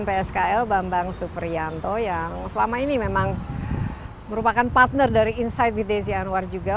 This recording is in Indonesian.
pskl bambang suprianto yang selama ini memang merupakan partner dari insight with desi anwar juga